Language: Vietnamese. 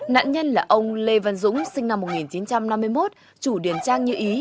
nạn nhân là ông lê văn dũng sinh năm một nghìn chín trăm năm mươi một chủ điển trang như ý